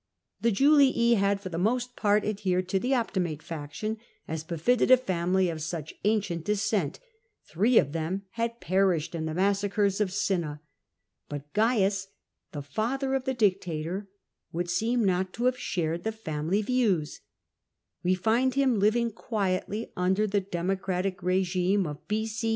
The Julii had for the most part adhered to the Optimate faction, as befitted a family of such ancient descent; three of them had perished in the massacres of Cinna, but Cains, the father of ^ the dictator, would seem not to have shared the family views: we find him living quietly under the Demo cratic T4gime of B.O.